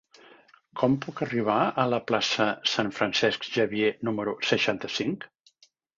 Com puc arribar a la plaça de Sant Francesc Xavier número seixanta-cinc?